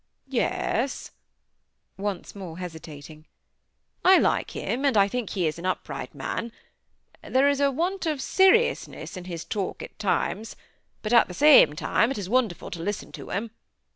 "Yes," (once more hesitating,) "I like him, and I think he is an upright man; there is a want of seriousness in his talk at times, but, at the same time, it is wonderful to listen to him!